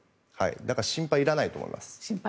だから心配いらないと思います。